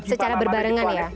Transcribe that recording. oke secara berbarengan ya